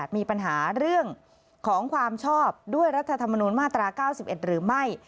มีปัญหาเรื่องของความชอบด้วยรัฐธรรมนุนมาตรา๙๑หรือไม่